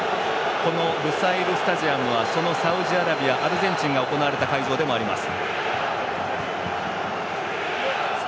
その、ルサイルスタジアムはそのサウジアラビアアルゼンチンが行われた会場でもあります。